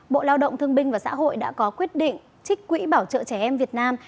bộ lao động thương binh và xã hội đã có quyết định trích quỹ bảo trợ trẻ em việt nam